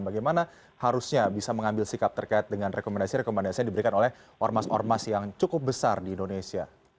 bagaimana harusnya bisa mengambil sikap terkait dengan rekomendasi rekomendasi yang diberikan oleh ormas ormas yang cukup besar di indonesia